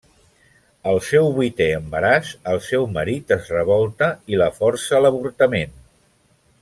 Al seu vuitè embaràs, el seu marit es revolta i la força a l'avortament.